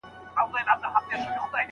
یو څه وخت مي راسره ښکلي بچیان وي